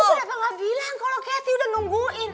aku udah pernah bilang kalau kathy udah nungguin